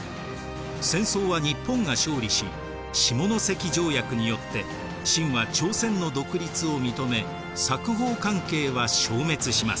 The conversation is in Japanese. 戦争は日本が勝利し下関条約によって清は朝鮮の独立を認め冊封関係は消滅します。